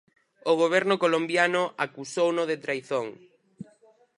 O Goberno colombiano acusouno de traizón.